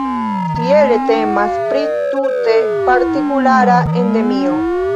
Tiele temas pri tute partikulara endemio.